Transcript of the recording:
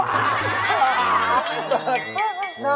เบิร์ทไอ่